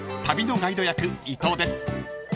旅のガイド役伊藤です］